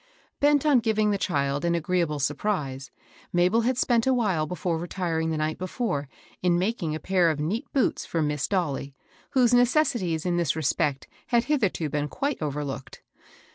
Bent on giving the child an agreeable surprise, Mabel had spent a while before retiring the night before in making a pair of neat boots for Miss Dolly, whose necessities in this respect had hitherto been quite overlooked.